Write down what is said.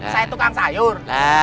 syahid tukang sayur